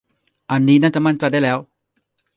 อันนี้น่าจะมั่นใจได้แล้ว